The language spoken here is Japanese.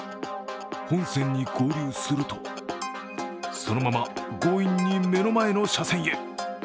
本線に合流するとそのまま強引に目の前の車線へ。